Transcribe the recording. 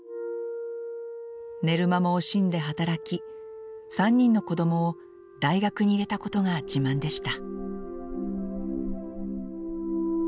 寝る間も惜しんで働き３人の子供を大学に入れたことが自慢でした。